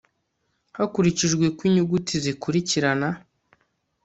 hakurikijwe uko inyuguti zikurikirana